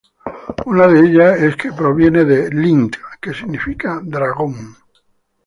Una de ellas es que proviene de "lint" que significa "dragón".